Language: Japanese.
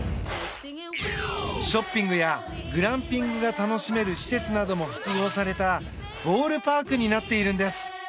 ショッピングやグランピングが楽しめる施設なども複合されたボールパークになっているんです。